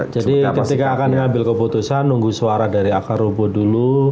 jadi ketika akan mengambil keputusan nunggu suara dari akarubo dulu